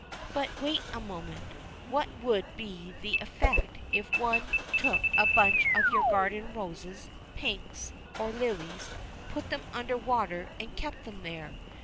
But wait a moment; what would be the effect if any one took a bunch of your garden roses, pinks, or lilies, put them under water, and kept them there?